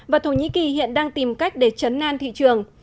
và thổ nhĩ kỳ hiện đang tìm cách để chấn nan thị trường